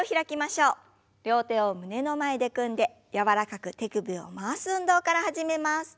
両手を胸の前で組んで柔らかく手首を回す運動から始めます。